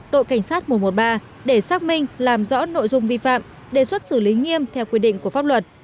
đội cảnh sát một trăm một mươi ba để xác minh làm rõ nội dung vi phạm đề xuất xử lý nghiêm theo quy định của pháp luật